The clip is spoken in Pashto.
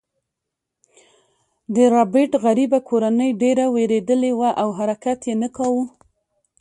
د ربیټ غریبه کورنۍ ډیره ویریدلې وه او حرکت یې نه کاوه